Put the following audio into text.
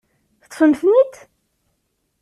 Teṭṭfemt-ten-id?